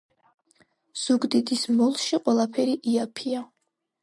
ზუგდიდის მოლში ყველაფერი იაფია.